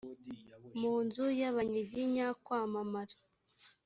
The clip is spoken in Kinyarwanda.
mu nzu y abanyiginya kwamamara